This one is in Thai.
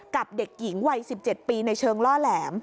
กับเด็กหญิงวัย๑๗ปีในเชิงล่อแหลม